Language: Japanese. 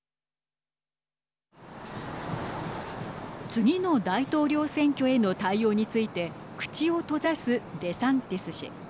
次の大統領選挙への対応について口を閉ざす、デサンティス氏。